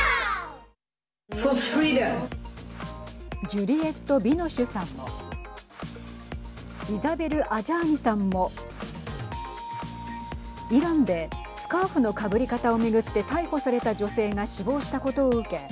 ジュリエット・ビノシュさんもイザベル・アジャーニさんもイランでスカーフのかぶり方を巡って逮捕された女性が死亡したことを受け